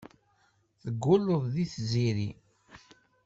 Teggulleḍ deg Tiziri.